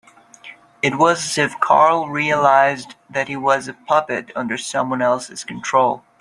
It was as if Carl realised that he was a puppet under someone else's control.